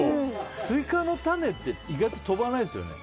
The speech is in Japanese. スイカの種って意外と飛ばないですよね。